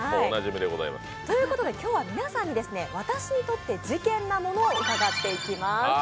ということで今日は皆さんに「私にとって事件なもの」を伺っていきます。